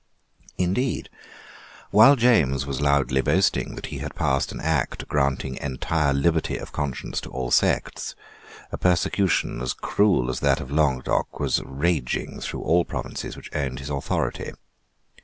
Indeed, while James was loudly boasting that he had passed an Act granting entire liberty of conscience to all sects, a persecution as cruel as that of Languedoc was raging through all the provinces which owned his authority.